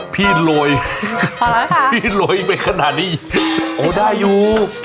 พี่โรยพี่โรยไปขนาดนี้โอ้ได้อยู่